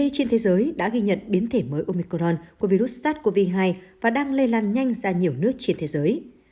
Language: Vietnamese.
trên thế giới đã ghi nhận biến thể mới omicron của virus sars cov hai và đang lây lan nhanh ra nhiều nước trên thế giới